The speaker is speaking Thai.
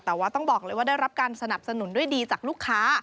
แต่ว่าต้องบอกเลยว่าได้รับการสนับสนุนด้วยดีจากลูกค้า